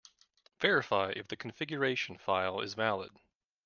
Verify if the configuration file is valid.